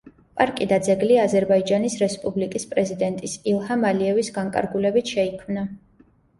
პარკი და ძეგლი აზერბაიჯანის რესპუბლიკის პრეზიდენტის ილჰამ ალიევის განკარგულებით შეიქმნა.